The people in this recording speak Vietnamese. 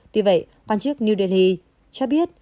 tuy vậy quan chức new delhi cho biết